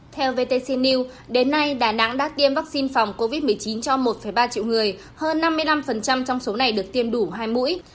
theo vtc news đến nay đà nẵng đã tiêm vaccine phòng covid một mươi chín cho một ba triệu người hơn năm mươi năm trong số này được tiêm đủ hai mũi